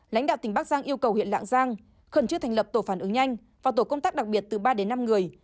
lãnh đạo tỉnh bắc giang yêu cầu huyện lạng giang khẩn trương thành lập tổ phản ứng nhanh vào tổ công tác đặc biệt từ ba đến năm người